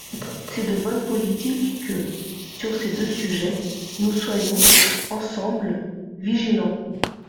C’est de bonne politique que, sur ces deux sujets, nous soyons, ensemble, vigilants.